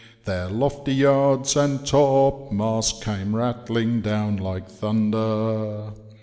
Their lofty yards and topmasts came rattling down like thunder.